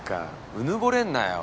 うぬぼれんなよ。